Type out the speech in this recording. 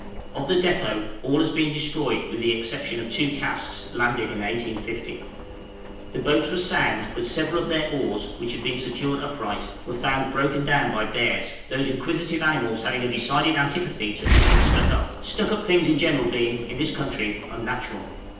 Of the depôt all has been destroyed with the exception of two casks landed in 1850. The boats were sound, but several of their oars, which had been secured upright, were found broken down by bears those inquisitive animals having a decided antipathy to anything stuck up stuck up things in general being, in this country, unnatural.